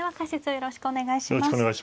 よろしくお願いします。